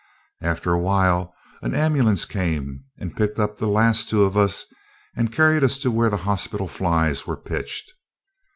After awhile, an ambulance came and picked up the last two of us and carried us to where the hospital flies were pitched.